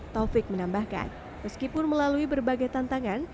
taufik menambahkan meskipun melalui berbagai tantangan